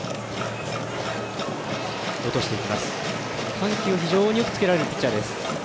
緩急を非常によくつけられるピッチャーです。